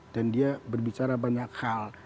dan dia berbicara banyak hal